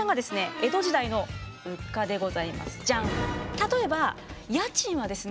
例えば家賃はですね。